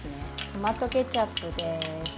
トマトケチャップです。